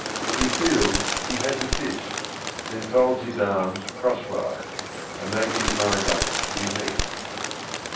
"He feels he has a fist, then folds his arms Crosswise, and makes his mind up to be meek."